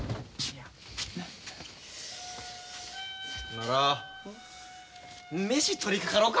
なら飯取りかかろうか。